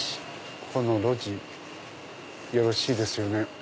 この路地よろしいですよね。